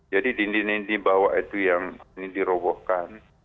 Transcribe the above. jadi dinding dinding bawah itu yang ini dirobohkan